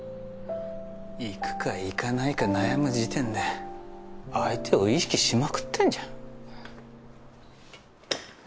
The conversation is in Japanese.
行くか行かないか悩む時点で相手を意識しまくってんじゃん。